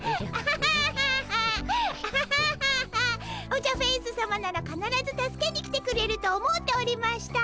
オジャフェウスさまならかならず助けに来てくれると思うておりました。